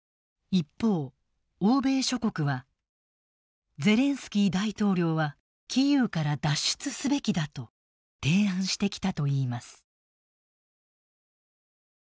一方欧米諸国は「ゼレンスキー大統領はキーウから脱出すべきだ」と提案してきたといいます。